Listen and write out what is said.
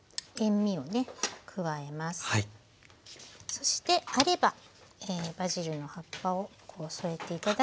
そしてあればバジルの葉っぱを添えて頂くと。